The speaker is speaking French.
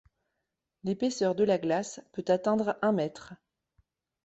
L'épaisseur de la glace peut atteindre un mètre.